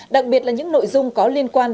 đặc biệt là những nội dung có liên quan